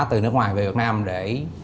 từ nước ngoài về việt nam để